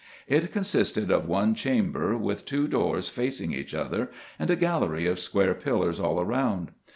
It consisted of one chamber, with two doors facing each other, and a gallery of square pillars all round.